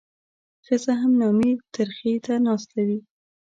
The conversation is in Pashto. ښځه هم نامي ترخي ته ناسته وي.